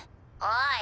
おい